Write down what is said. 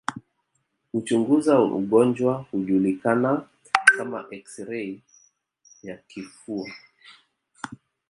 Huchunguza ugonjwa hujulikana kama eksirei ya kifua